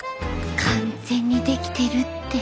完全にできてるって。